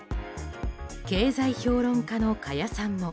経済評論家の加谷さんも。